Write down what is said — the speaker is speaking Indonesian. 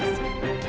makasih ya dok